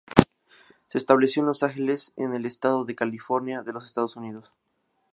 Se estableció en Los Ángeles, en el estado de California de los Estados Unidos.